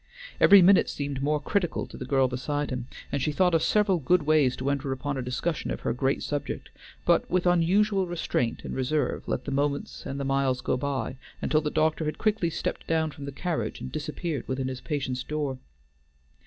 Every minute seemed more critical to the girl beside him, and she thought of several good ways to enter upon a discussion of her great subject, but with unusual restraint and reserve let the moments and the miles go by until the doctor had quickly stepped down from the carriage and disappeared within his patient's door.